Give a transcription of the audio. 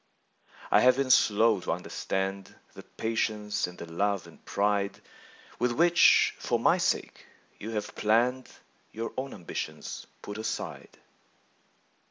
I have been slow to understand The patience and the love and pride "With which for my sake you have hour own ambitions put aside.